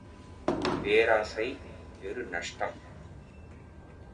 பேராசை பெரு நஷ்டம்!